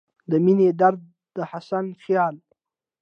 د مينې درده، د حسن خياله